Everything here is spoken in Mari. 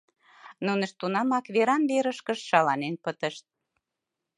Нунышт тунамак веран-верышкышт шаланен пытышт.